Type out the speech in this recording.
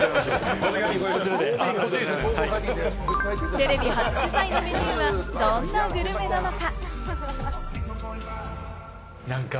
テレビ初取材のメニューは、どんなグルメなのか？